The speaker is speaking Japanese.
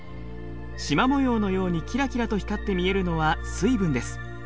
しま模様のようにキラキラと光って見えるのは水分です。